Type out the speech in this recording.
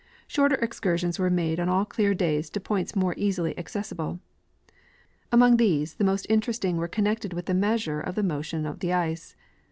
Shorter excursions Avere made on all clear days to points more easily accessible. Among these the most interesting Avere con nected Avith the measure of the motion of the ice.